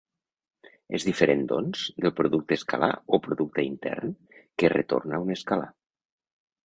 És diferent doncs, del producte escalar o producte intern que retorna un escalar.